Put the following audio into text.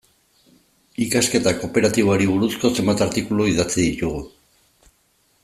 Ikasketa kooperatiboari buruzko zenbait artikulu idatzi ditugu.